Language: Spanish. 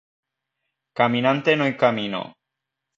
Caminante no hay camino.